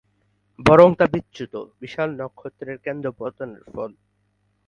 বরং তা বিচ্যুত, বিশাল নক্ষত্রের কেন্দ্র-পতনের ফল।